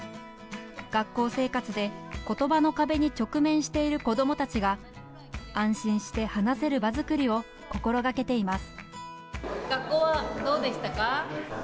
学校生活で、言葉の壁に直面している子どもたちが安心して話せる場作りを心がけています。